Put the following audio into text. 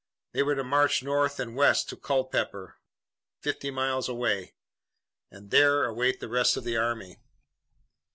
They were to march north and west to Culpeper, fifty miles away, and there await the rest of the army.